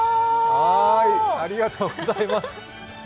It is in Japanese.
ありがとうございます。